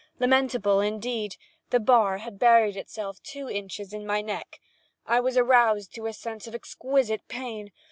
Lamentable indeed! The bar had buried itself two inches in my neck. I was aroused to a sense of exquisite pain.